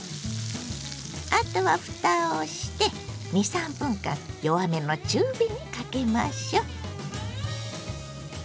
あとはふたをして２３分間弱めの中火にかけましょう。